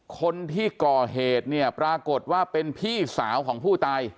คนที่ก่อเหตุเนี่ยปรากฏว่าเป็นพี่สาวของผู้ตาย